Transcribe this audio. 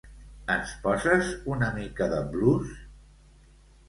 Ens poses una mica de blues?